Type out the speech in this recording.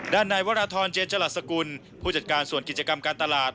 ด้านในวรทรเจนจรัสสกุลผู้จัดการส่วนกิจกรรมการตลาด